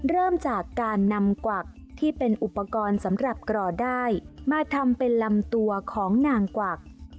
เริ่มจากการนำกวักที่เป็นอุปกรณ์สำหรับกรอได้มาทำเป็นลำตัวของนางกวัก